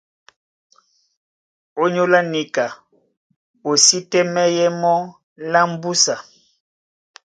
Ónyólá níka o sí tɛ́mɛ́yɛ́ mɔ́ lá mbúsa.